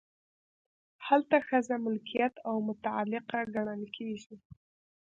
هلته ښځه ملکیت او متعلقه ګڼل کیږي.